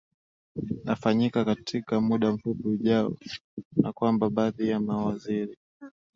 afanyika katika muda mfupi ujao na kwamba baadhi ya mawaziri